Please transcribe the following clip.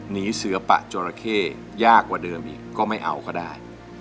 หนีเสือปะจราเข้ยากกว่าเดิมอีกก็ไม่เอาก็ได้